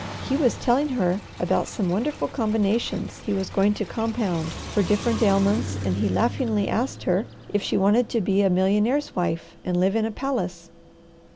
He was telling her about some wonderful combinations he was going to compound for different ailments and he laughingly asked her if she wanted to be a millionaire's wife and live in a palace.